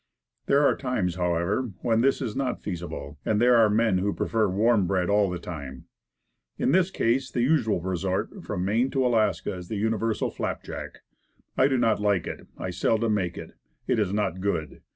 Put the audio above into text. There are times, however when this is not feasible, and there are men who prefer warm bread all the time. In this case the usual resort, from Maine to Alaska, is the univer sal flapjack. I do not like it; I seldom make it; it is not good.